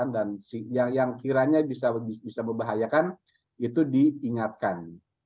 dan yang kiranya bisa membahayakan itu diingatkan